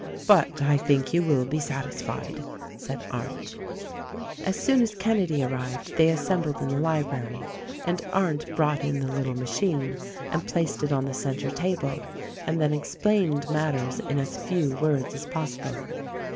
but I think you will be satisfied," said Arndt. As soon as Kenedy arrived they assembled in the library and Arndt brought in the little machine and placed it on the center table and then explained matters in as few words as possible.